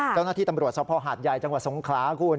เจ้าหน้าที่ตำรวจสภหาดใหญ่จังหวัดสงขลาคุณ